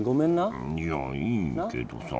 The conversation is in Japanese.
いやいいけどさ